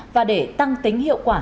và để tăng tính hiệu quả